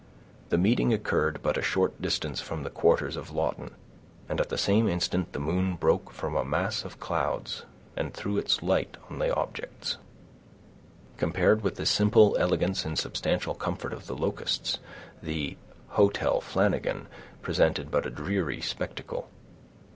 The meeting occurred but a short distance from the quarters of Lawton, and at the same instant the moon broke from a mass of clouds, and threw its light on objects. Compared with the simple elegance and substantial comfort of the Locusts, the "Hotel Flanagan" presented but a dreary spectacle.